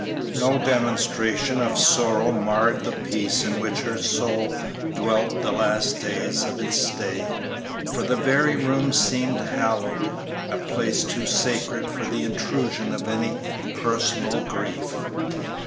No demonstration of sorrow marred the peace in which her soul dwelt the last days of its stay, for the very room seemed hallowed, a place too sacred for the intrusion of any personal grief.